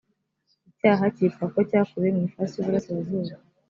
icyaha cyitwa ko cyakorewe mu ifasi y uburasirazuba